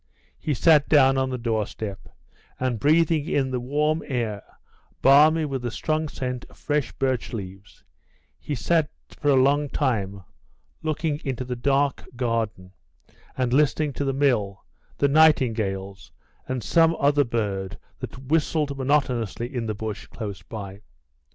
He sat down on the doorstep, and breathing in the warm air, balmy with the strong scent of fresh birch leaves, he sat for a long time looking into the dark garden and listening to the mill, the nightingales, and some other bird that whistled monotonously in the bush close by.